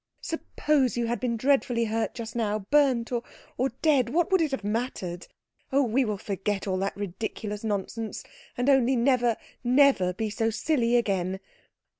Suppose you had been dreadfully hurt just now, burnt, or or dead, what would it have mattered? Oh, we will forget all that ridiculous nonsense, and only never, never be so silly again.